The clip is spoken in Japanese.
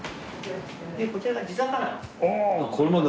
こちらが地魚の丼。